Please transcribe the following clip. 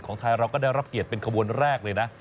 ของไทยเราก็ได้รับเกียรติเป็นขบวนแรกเลยนะ